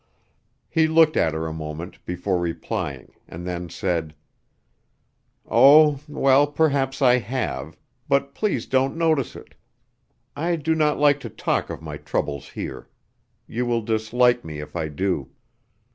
He looked at her a moment before replying, and then said: "Oh, well, perhaps I have; but please don't notice it. I do not like to talk of my troubles here. You will dislike me if I do."